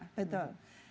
iya oke betul